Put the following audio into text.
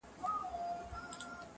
چي ستۍ کښینئ او مړونه مه کوئ